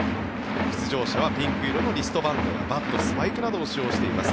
出場者はピンク色のリストバンドバット、スパイクなどを使用しています。